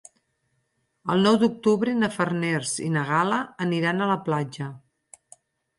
El nou d'octubre na Farners i na Gal·la aniran a la platja.